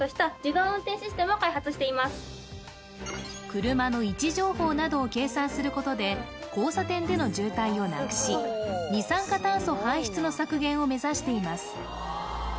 車の位置情報などを計算することで交差点での渋滞をなくし二酸化炭素排出の削減を目指しています